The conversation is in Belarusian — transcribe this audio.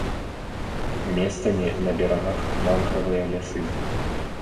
Месцамі на берагах мангравыя лясы.